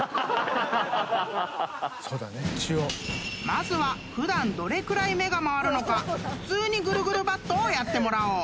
［まずは普段どれくらい目が回るのか普通にぐるぐるバットをやってもらおう！］